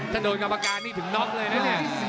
ถ้าโดนกรรมการนี่ถึงน็อกเลยนะเนี่ย